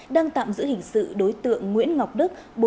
đang tạm giữ hình sự đối tượng nguyễn ngọc đức